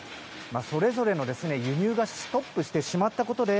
それぞれの輸入がストップしてしまったことで